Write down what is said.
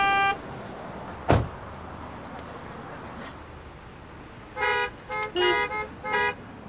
gak ada apa apa